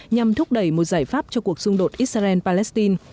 nhằm thúc đẩy một giải pháp cho cuộc xung đột israel palestine